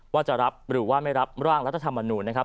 ว่าจะรับหรือว่าไม่รับร่างรัฐธรรมนูญนะครับ